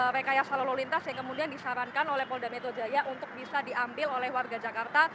rekayasa lalu lintas yang kemudian disarankan oleh polda metro jaya untuk bisa diambil oleh warga jakarta